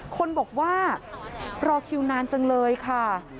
คนบอกว่ารอคิวนานจังเลยค่ะ